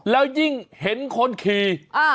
แล้วยิ่งเห็นคนขี่